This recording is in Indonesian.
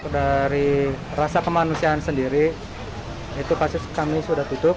dari rasa kemanusiaan sendiri itu kasus kami sudah tutup